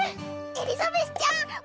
エリザベスちゃん！